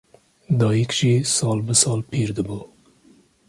Dayîk jî sal bi sal pîr dibû